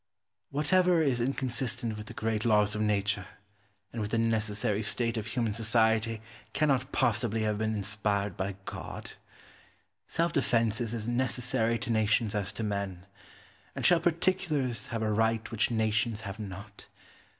Whatever is inconsistent with the great laws of Nature and with the necessary state of human society cannot possibly have been inspired by God. Self defence is as necessary to nations as to men. And shall particulars have a right which nations have not?